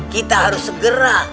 kita harus segera